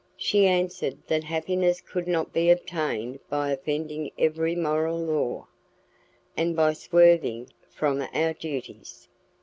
She answered that happiness could not be obtained by offending every moral law, and by swerving from our duties.